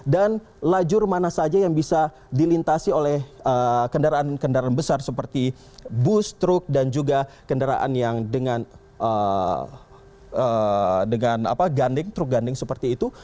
dan lajur mana saja yang bisa dilintasi oleh kendaraan kendaraan besar seperti bus truk dan juga kendaraan yang dengan ganding truk ganding seperti itu